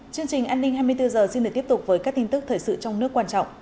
chương trình an ninh hai mươi bốn h xin được tiếp tục với các tin tức thời sự trong nước quan trọng